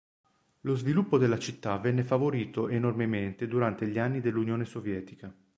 Lo sviluppo della città venne favorito enormemente durante gli anni dell'Unione Sovietica.